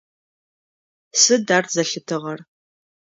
Сыд ар зэлъытыгъэр?